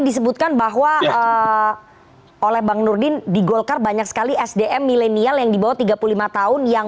disebutkan bahwa oleh bang nurdin di golkar banyak sekali sdm milenial yang dibawa tiga puluh lima tahun yang